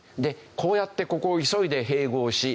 こうやってここを急いで併合し。